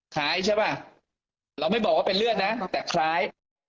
คล้ายใช่ป่ะเราไม่บอกว่าเป็นเลือดนะแต่คล้าย